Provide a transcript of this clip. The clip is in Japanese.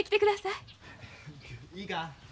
いいか？